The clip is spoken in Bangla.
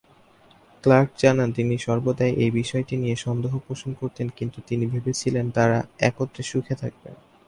ক্লার্ক জানান তিনি সর্বদাই এই বিষয়টি নিয়ে সন্দেহ পোষণ করতেন কিন্তু তিনি ভেবেছিলেন তারা একত্রে সুখে থাকবেন।